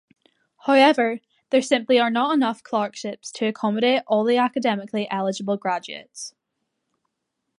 However, there simply are not enough clerkships to accommodate all the academically eligible graduates.